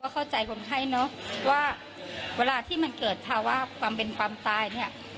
เข้าใจคนไข้เนอะว่าเวลาที่มันเกิดภาวะความเป็นความตายเนี่ย